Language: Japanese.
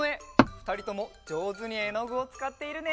ふたりともじょうずにえのぐをつかっているね。